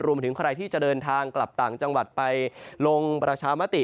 มาถึงใครที่จะเดินทางกลับต่างจังหวัดไปลงประชามติ